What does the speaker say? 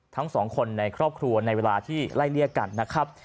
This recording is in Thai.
ทั้งสองคนในครอบครัวในเวลาที่ไล่เลี่ยกันนะครับ